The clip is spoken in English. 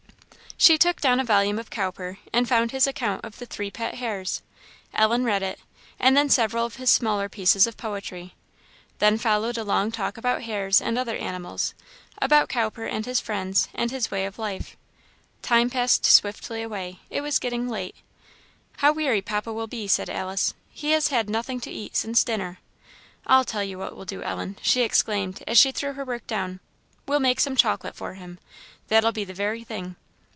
She took down a volume of Cowper, and found his account of the three pet hares. Ellen read it, and then several of his smaller pieces of poetry. Then followed a long talk about hares and other animals; about Cowper and his friends, and his way of life. Time passed swiftly away; it was getting late. "How weary papa will be!" said Alice. "He has had nothing to eat since dinner. I'll tell you what we'll do, Ellen," she exclaimed, as she threw her work down, "we'll make some chocolate for him that'll be the very thing.